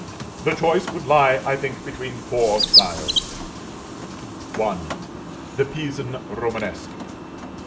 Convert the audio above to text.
The choice would lie I think between four styles: 1. The Pisan Romanesque; 2.